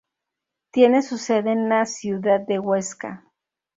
Tiene su sede en la ciudad de Huesca.